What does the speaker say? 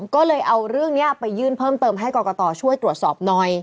ก็เลยเอาเรื่องนี้ไปยื่นเพิ่มเติมให้กรกตช่วยตรวจสอบหน่อย